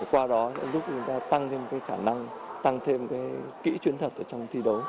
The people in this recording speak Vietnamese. qua đó sẽ giúp người ta tăng thêm khả năng tăng thêm kỹ chuyên thật trong thi đấu